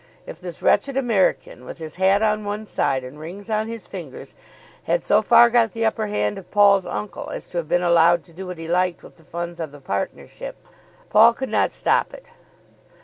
If this wretched American, with his hat on one side and rings on his fingers, had so far got the upper hand of Paul's uncle as to have been allowed to do what he liked with the funds of the partnership, Paul could not stop it.